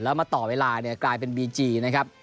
แล้วต่อเวลากลายเป็นบีจีนะครับ